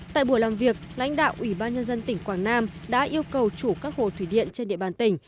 tại buổi làm việc lãnh đạo ủy ban nhân dân tỉnh quảng nam đã yêu cầu chủ các hồ thủy điện trên địa bàn tỉnh